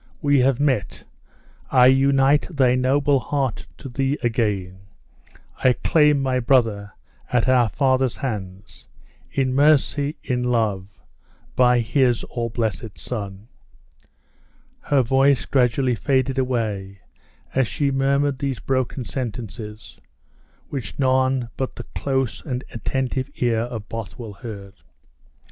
We have met I unite thy noble heart to thee again I claim my brother at our Father's hands in mercy! in love by his all blessed Son!" Her voice gradually faded away as she murmured these broken sentences, which none but the close and attentive ear of Bothwell heard.